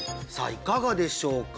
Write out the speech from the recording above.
いかがでしょうか？